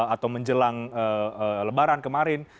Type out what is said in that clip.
atau menjelang lebaran kemarin